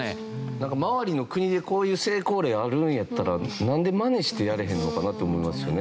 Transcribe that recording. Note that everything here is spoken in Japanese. なんか周りの国でこういう成功例あるんやったらなんでマネしてやれへんのかなって思いますよね。